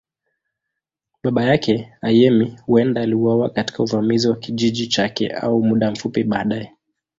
Baba yake, Ayemi, huenda aliuawa katika uvamizi wa kijiji chake au muda mfupi baadaye.